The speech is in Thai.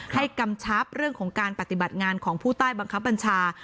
ให้กำชับของการปฏิบัติงานของผู้ใต้บังคัปบรรชา